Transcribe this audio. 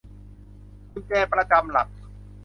กุญแจประจำหลัก